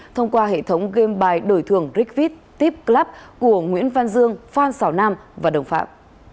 thông qua hệ thống game bài đổi thưởng rigvit tip club của nguyễn văn dương phan xảo nam và đồng phạm